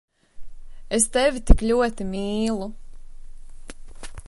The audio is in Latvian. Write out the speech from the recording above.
Es tevi tik ļoti mīlu…